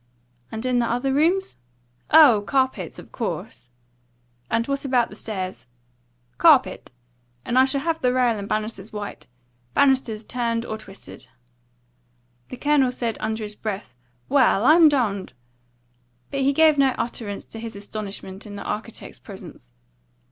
"And in the other rooms?" "Oh, carpets, of course." "And what about the stairs?" "Carpet. And I should have the rail and banisters white banisters turned or twisted." The Colonel said under his breath, "Well, I'm dumned!" but he gave no utterance to his astonishment in the architect's presence.